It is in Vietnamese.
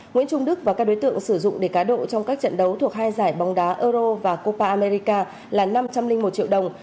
nguyễn trung đức và các đối tượng sử dụng để cá độ trong các trận đấu thuộc hai giải bóng đá euro và copa america là năm trăm linh một triệu đồng